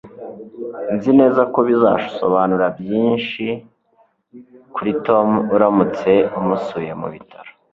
nzi neza ko bizasobanura byinshi kuri tom uramutse umusuye mubitaro